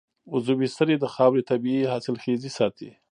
عضوي سرې د خاورې طبعي حاصلخېزي ساتي.